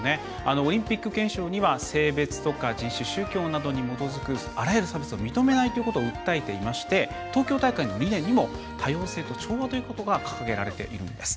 オリンピック憲章には性別、人種、宗教などに基づくあらゆる差別を認めないというのを訴えていまして東京大会の理念にも多様性と調和ということが掲げられているんです。